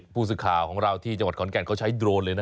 ผู้สื่อข่าวของเราที่จังหวัดขอนแก่นเขาใช้โดรนเลยนะ